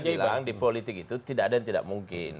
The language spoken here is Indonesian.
memang di politik itu tidak ada yang tidak mungkin